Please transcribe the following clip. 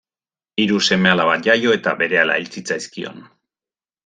Hiru seme-alaba jaio eta berehala hil zitzaizkion.